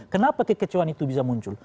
kenapa kekecewaan itu bisa muncul